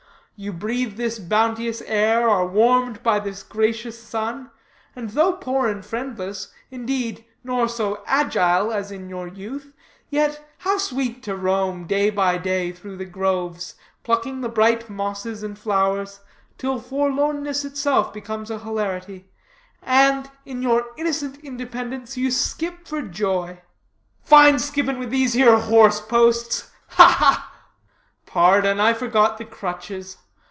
You breathe this bounteous air, are warmed by this gracious sun, and, though poor and friendless, indeed, nor so agile as in your youth, yet, how sweet to roam, day by day, through the groves, plucking the bright mosses and flowers, till forlornness itself becomes a hilarity, and, in your innocent independence, you skip for joy." "Fine skipping with these 'ere horse posts ha ha!" "Pardon; I forgot the crutches.